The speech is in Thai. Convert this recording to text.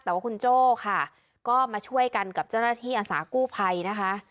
แต่ว่าคุณโจ้ค่ะก็มาช่วยกันกับเจ้าหน้าที่อาสากู้ภัยนะคะ